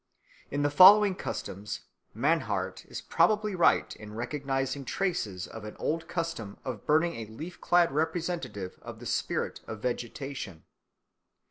In the following customs Mannhardt is probably right in recognising traces of an old custom of burning a leaf clad representative of the spirit of vegetation.